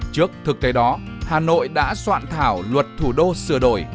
trước thực tế đó hà nội đã soạn thảo luật thủ đô sửa đổi